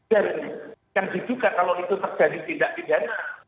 jadi yang jujur kalau itu terjadi tindak pidana